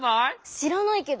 しらないけど。